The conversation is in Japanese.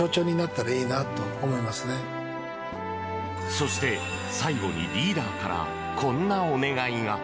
そして、最後にリーダーから、こんなお願いが！